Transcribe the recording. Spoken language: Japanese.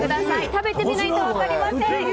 食べてみないと分かりません！